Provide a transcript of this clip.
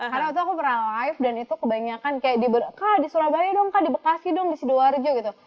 karena waktu itu aku pernah live dan itu kebanyakan kayak di surabaya dong di bekasi dong di sidoarjo gitu